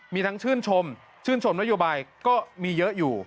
มีทั้งชื่นชมชื่นชมนโยบายก็มีเยอะอยู่